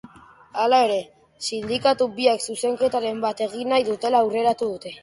Hala ere, sindikatu biek zuzenketaren bat egin nahi dutela aurreratu dute.